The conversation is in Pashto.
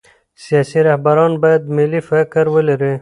سیاسي رهبران باید ملي فکر ولري